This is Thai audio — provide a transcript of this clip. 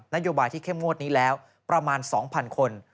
นโยบายที่เข้มงวดนี้แล้วประมาณ๒๐๐คน